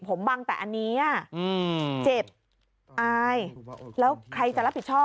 ผมบังแต่อันนี้เจ็บอายแล้วใครจะรับผิดชอบ